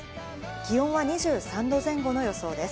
気温は２３度前後の予想です。